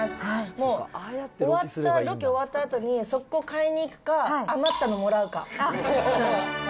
もう、ロケ終わったあとに速攻買いに行くか、余ったのもらうか。